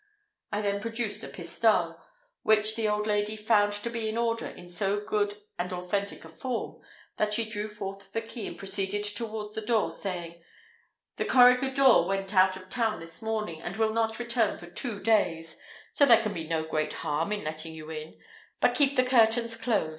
I then produced a pistole, which the old lady found to be an order in so good and authentic a form, that she drew forth the key, and proceeded towards the door, saying, "The corregidor went out of town this morning, and will not return for two days, so there can be no great harm in letting you in; but keep the curtains close.